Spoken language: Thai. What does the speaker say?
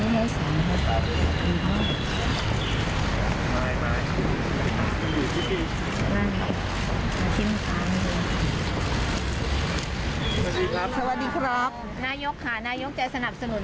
สวัสดีครับสวัสดีครับนายกค่ะนายกจะสนับสนุน